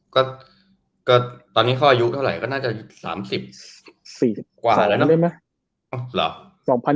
ก็ตอนนี้เขาอายุเท่าไหร่ก็น่าจะ๓๐กว่าแล้วเนอะ